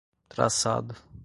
traçado